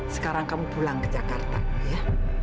sekarang kamu pulang ke jakarta ya